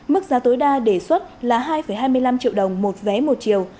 mức giá tối đa đề xuất là hai hai mươi năm triệu đồng một vé một chiều